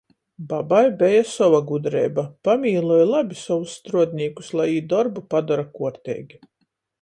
Babai beja sova gudreiba - pamīloj labi sovus struodnīkus, lai jī dorbu padora kuorteigi.